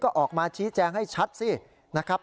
ก็ออกมาชี้แจงให้ชัดสินะครับ